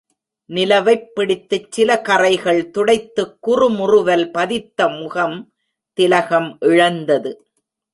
நிலவைப் பிடித்துச் சில கறைகள் துடைத்துக் குறு முறுவல் பதித்த முகம் திலகம் இழந்தது.